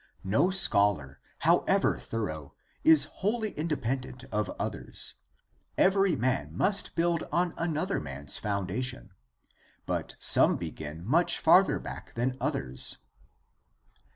No scholar, however thorough, is wholly inde pendent of others; every man must build on another man's foundation; but some begin much farther back than others.